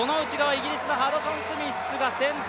イギリスのハドソンスミスが先頭。